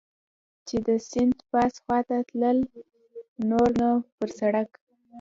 چې د سیند پاس خوا ته تلل، نور نو پر سړک.